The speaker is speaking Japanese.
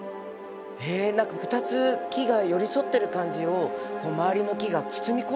へえ何か２つ木が寄り添ってる感じを周りの木が包み込んでいるような。